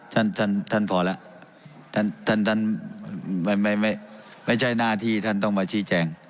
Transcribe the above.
ท่านท่านพอแล้วท่านท่านไม่ใช่หน้าที่ท่านต้องมาชี้แจง